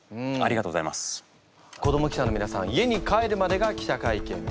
子ども記者のみなさん家に帰るまでが記者会見です。